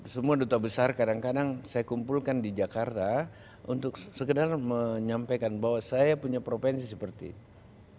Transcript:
semua duta besar kadang kadang saya kumpulkan di jakarta untuk sekedar menyampaikan bahwa saya punya provinsi seperti ini